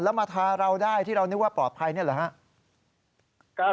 แล้วมาทาเราได้ที่เรานึกว่าปลอดภัยนี่แหละครับ